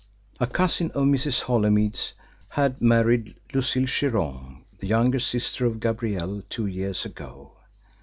A cousin of Mrs. Holymead's had married Lucille Chiron, the younger sister of Gabrielle, two years ago.